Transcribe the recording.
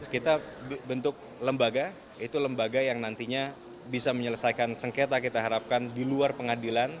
kita bentuk lembaga itu lembaga yang nantinya bisa menyelesaikan sengketa kita harapkan di luar pengadilan